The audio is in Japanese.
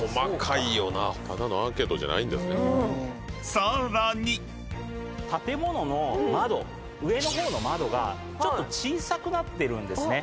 ［さらに］上の方の窓がちょっと小さくなってるんですね。